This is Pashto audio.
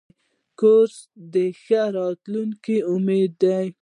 کورس د ښه راتلونکي امید دی.